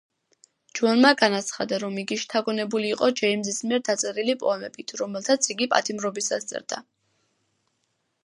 ჯოანმა განაცხადა, რომ იგი შთაგონებული იყო ჯეიმზის მიერ დაწერილი პოემებით, რომელთაც იგი პატიმრობისას წერდა.